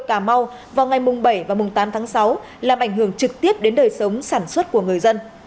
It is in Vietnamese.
cà mau vào ngày bảy và tám tháng sáu làm ảnh hưởng trực tiếp đến đời sống sản xuất của người dân